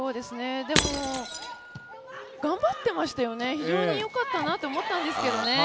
でも、頑張ってましたよね、非常によかったなと思ったんですけどね。